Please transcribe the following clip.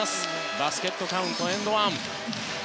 バスケットカウントエンドワン。